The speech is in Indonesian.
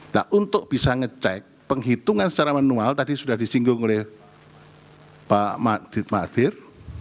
nah untuk bisa ngecek penghitungan secara manual tadi sudah disinggung oleh pak mahathir